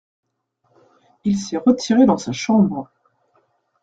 Il s’est retiré dans sa chambre.